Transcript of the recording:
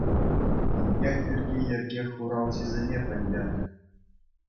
Инкек пирки йӗрке хуралҫисене пӗлтернӗ.